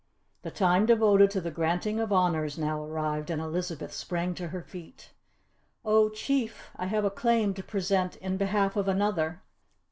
The time devoted to the granting of honours now arrived and Elizabeth sprang to her feet. "Oh Chief! I have a claim to present in behalf of another."